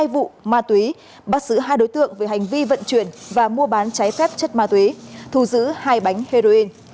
hai vụ ma túy bắt giữ hai đối tượng về hành vi vận chuyển và mua bán trái phép chất ma túy thu giữ hai bánh heroin